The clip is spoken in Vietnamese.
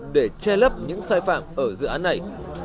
để che lấp những sai phạm ở dự án này